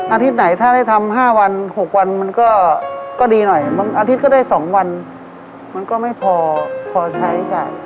อาทิตย์ไหนถ้าได้ทำ๕วัน๖วันมันก็ดีหน่อยบางอาทิตย์ก็ได้๒วันมันก็ไม่พอพอใช้จ่าย